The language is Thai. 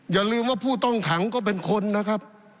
อย่าลืมว่าผู้ต้องขังก็เป็นคนนะครับ